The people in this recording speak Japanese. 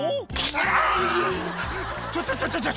「あぁ！ちょちょちょちょ」